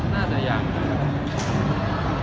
น่าจะยังนะครับ